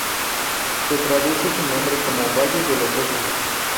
Se traduce su nombre como "valle de los osos".